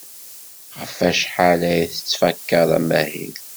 Ɣef wacḥal ay tettfakad amahil?